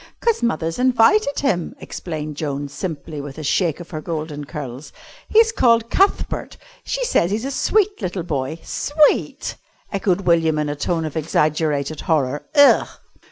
"'Cause mother's invited him," explained Joan simply, with a shake of her golden curls. "He's called Cuthbert. She says he's a sweet little boy." "Sweet!" echoed William in a tone of exaggerated horror. "Ugh!"